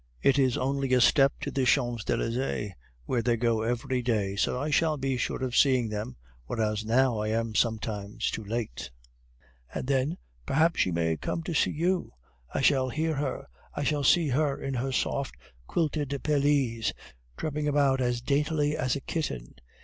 It is only a step to the Champs Elysees, where they go every day, so I shall be sure of seeing them, whereas now I am sometimes too late. And then perhaps she may come to see you! I shall hear her, I shall see her in her soft quilted pelisse tripping about as daintily as a kitten.